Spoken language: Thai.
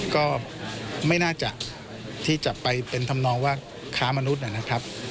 ก็ไม่น่าจะที่จะไปเป็นทำนองว่าค้ามนุษย์นะครับ